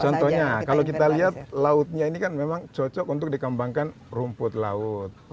contohnya kalau kita lihat lautnya ini kan memang cocok untuk dikembangkan rumput laut